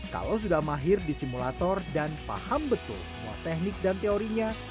kalau sudah mahir di simulator dan paham betul semua teknik dan teorinya